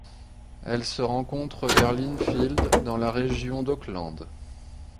Elle se rencontre vers Lynfield dans la région d'Auckland.